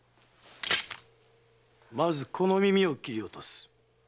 まずこの耳を斬り落とす。